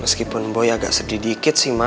meskipun boy agak sedih dikit sih ma